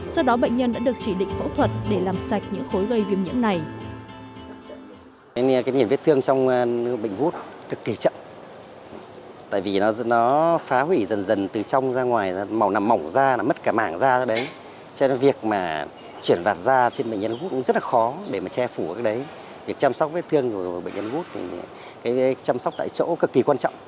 sau đó bệnh nhân đã được chỉ định phẫu thuật để làm sạch những khối gây viêm nhiễm này